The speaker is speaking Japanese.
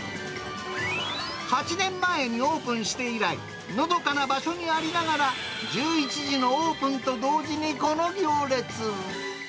８年前にオープンして以来、のどかな場所にありながら、１１時のオープンと同時にこの行列。